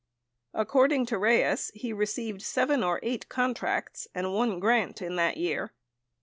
According to Reyes, he received seven or eight contracts and one grant in that year.